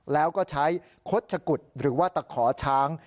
แล้วก็ใช้คดชะกุดหรือว่าตะขอช้าง